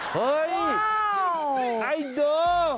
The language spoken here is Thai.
เฮ้ยไอเดอร์